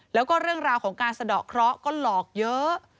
แล้วก็เรื่องราวของการสะดอกเคราะห์ก็หลอกเยอะ